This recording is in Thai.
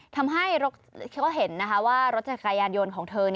ทำให้เธอก็เห็นว่ารถจักรยานยนต์ของเธอ